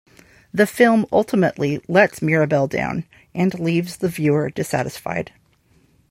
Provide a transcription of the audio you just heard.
The film ultimately lets Mirabelle down and leaves the viewer dissatisfied.